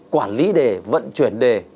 quản lý đề vận chuyển đề